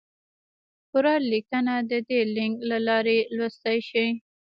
پوره لیکنه د دې لینک له لارې لوستی شئ!